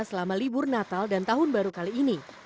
selama libur natal dan tahun baru kali ini